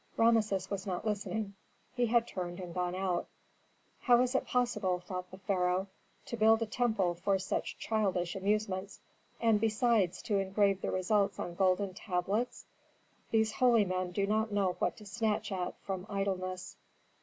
Rameses was not listening; he had turned and gone out. "How is it possible," thought the pharaoh, "to build a temple for such childish amusements, and besides to engrave the results on golden tablets? These holy men do not know what to snatch at from idleness."